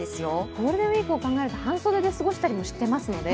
ゴールデンウイークを考えると、半袖で過ごしたりしてますよね。